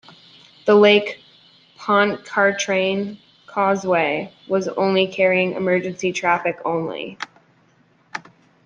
The Lake Pontchartrain Causeway was also carrying emergency traffic only.